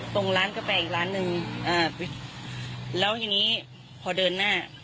ตรงร้านกาแฟอีกร้านหนึ่งอ่าแล้วทีนี้พอเดินหน้า